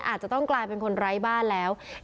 อาจจะต้องกลายเป็นคนไร้บ้านแล้ว